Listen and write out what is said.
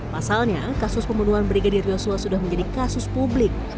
pasalnya kasus pembunuhan brigadir yosua sudah menjadi kasus publik